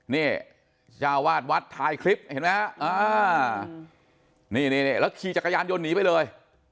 นี่เจ้าวาดวัดถ่ายคลิปเห็นไหมฮะนี่แล้วขี่จักรยานยนต์หนีไปเลย